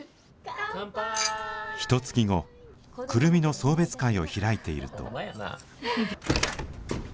ひとつき後久留美の送別会を開いていると。